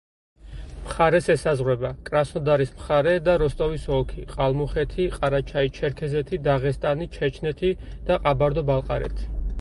მხარეს ესაზღვრება: კრასნოდარის მხარე და როსტოვის ოლქი, ყალმუხეთი, ყარაჩაი-ჩერქეზეთი, დაღესტანი, ჩეჩნეთი და ყაბარდო-ბალყარეთი.